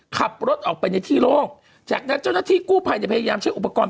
ขับรถออกไปในที่โล่งจากนั้นเจ้าหน้าที่กู้ภัยเนี่ยพยายามใช้อุปกรณ์